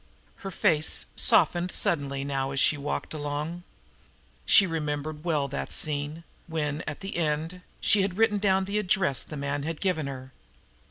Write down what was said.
Her face softened suddenly now as she walked along. She remembered well that scene, when, at the end, she had written down the address the man had given her.